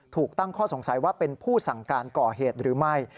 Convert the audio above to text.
ถูกตั้งข้อสงสัยว่าเป็นผู้สั่งการก่อเหตุหรือไม่